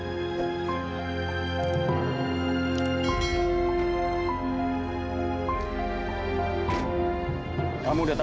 bener bener pembuat masalah